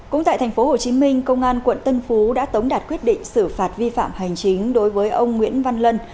cũng tại tp hcm công an quận tân phú đã tống đạt quyết định xử phạt vi phạm hành chính đối với ông nguyễn văn lân